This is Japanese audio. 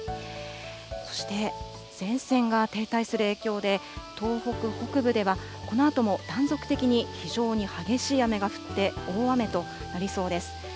そして前線が停滞する影響で、東北北部では、このあとも断続的に非常に激しい雨が降って、大雨となりそうです。